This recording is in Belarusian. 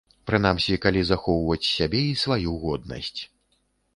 Прынамсі, калі захоўваць сябе і сваю годнасць.